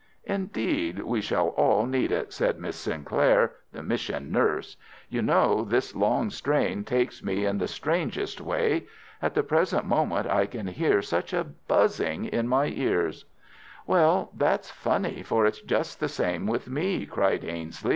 "Indeed, we shall all need it," said Miss Sinclair, the mission nurse. "You know, this long strain takes me in the strangest way. At the present moment I can hear such a buzzing in my ears." "Well, that's funny, for it's just the same with me," cried Ainslie.